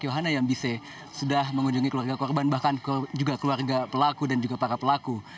yohana yambise sudah mengunjungi keluarga korban bahkan juga keluarga pelaku dan juga para pelaku